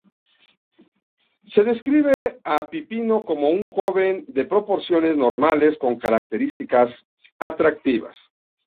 Se describe a Pipino como un joven de proporciones normales con características atractivas.